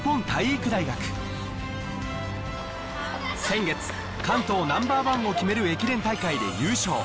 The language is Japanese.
先月関東ナンバーワンを決める駅伝大会で優勝